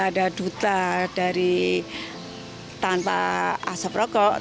ada duta dari tanpa asap rokok